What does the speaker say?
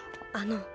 あの。